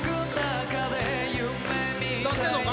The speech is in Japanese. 歌ってんのか？